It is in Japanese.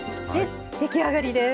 出来上がりです。